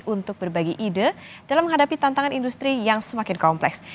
untuk berbagi ide dalam menghadapi tantangan industri yang semakin kompleks